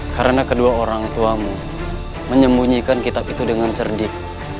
karena kedua orang tuamu menyembunyikan kitab itu dengan cerdik